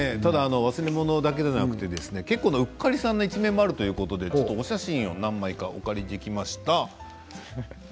忘れ物だけではなくて結構うっかりさんな一面があるということでお写真お借りしてきました。